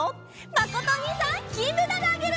まことおにいさんきんメダルあげる！